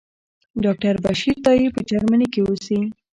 ډاکټر بشیر تائي په جرمني کې اوسي.